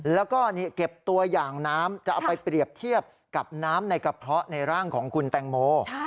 แล้วก็เก็บตัวอย่างน้ำจะเอาไปเปรียบเทียบกับน้ำในกระเพาะในร่างของคุณแตงโม